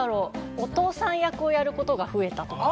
お父さん役をやることが増えたとか？